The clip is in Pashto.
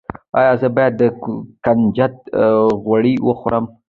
ایا زه باید د کنجد غوړي وخورم؟